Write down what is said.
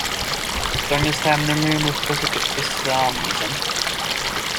During this time, Nimeiri moved closer to Islamism.